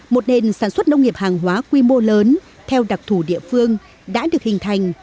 một nền sản xuất nông nghiệp hàng hóa quy mô lớn theo đặc thủ địa phương đã được hình thành